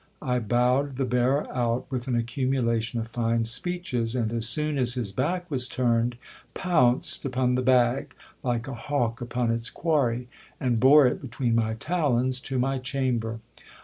I bowed the bearer out, with an accumulation of fine speeches ; and, as soon as his back was turned, pounced upon the bag, like a hawk upon its quarry, and bore it between my talons to my chamber.